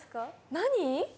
何？